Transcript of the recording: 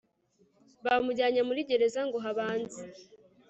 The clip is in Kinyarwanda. bamujyanye muri gereza ngo habanze